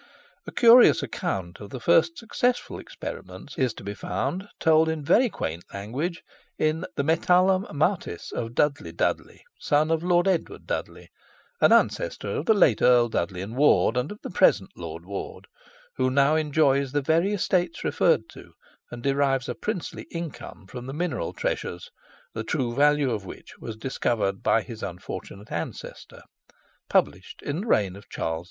A curious account of the first successful experiments is to be found, told in very quaint language, in the Metallum Martis of Dudley Dudley, son of Lord Edward Dudley (an ancestor of the late Earl Dudley and Ward, and of the present Lord Ward, who now enjoys the very estates referred to, and derives a princely income from the mineral treasures, the true value of which was discovered by his unfortunate ancestor), published in the reign of Charles II.